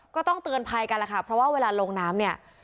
ก็ต้องเตือนภัยกันแหละค่ะเพราะว่าเวลาลงน้ำเนี่ย